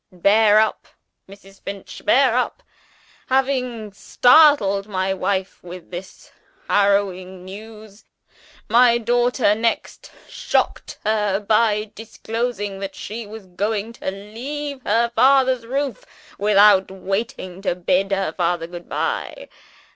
Bear up, Mrs. Finch; bear up Having startled my wife with this harrowing news, my daughter next shocked her by declaring that she was going to leave her father's roof, without waiting to bid her father good bye.